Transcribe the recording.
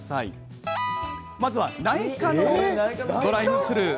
まずは内科のドライブスルー。